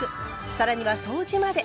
更には掃除まで。